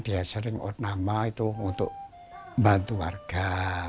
dia sering out nama itu untuk bantu warga